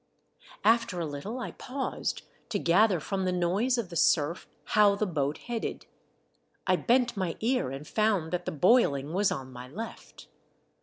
After a little I paused to gather from the noise of the surf how the boat headed. I bent my ear and found that the boiling was on my left.